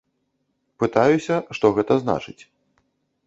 Пытаюся, што гэта значыць.